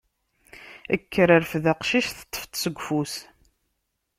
Kker, rfed aqcic teṭṭfeḍ-t seg ufus.